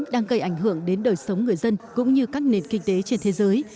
đang gây ảnh hưởng đến đời sống người dân cũng như các nền kinh tế trên thế giới